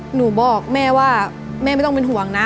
หนูบอกแม่ว่าแม่ไม่ต้องเป็นห่วงนะ